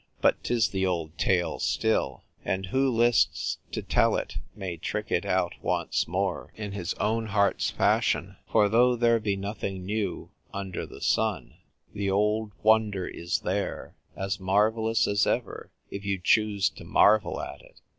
But 'tis the old tale still, and who lists to tell it may trick it out once more in his own heart's fashion. For though there be nothing new under the sun, the old wonder INTRODUCES A LATTER DAY HEROINE. 1/ is there, as marvellous as ever, if you choose to marvel at it.